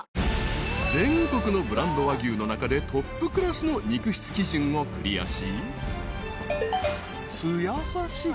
［全国のブランド和牛の中でトップクラスの肉質基準をクリアし］